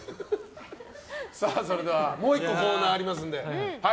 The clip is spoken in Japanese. それではもう１個コーナーありますので。